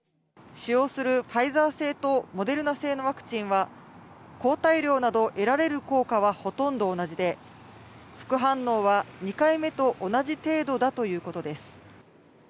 使用するファイザー製とモデルナ製のワクチンは、抗体量など得られる効果はほとんど同じで、副反応は２回目と同じ程度だということです。